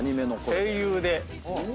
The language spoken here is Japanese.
声優で。